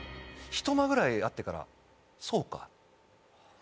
ひと間ぐらいあってから。